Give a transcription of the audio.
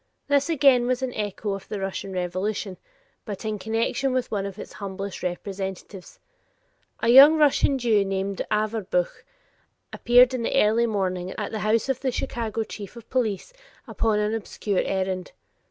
This again was an echo of the Russian revolution, but in connection with one of its humblest representatives. A young Russian Jew named Averbuch appeared in the early morning at the house of the Chicago chief of police upon an obscure errand.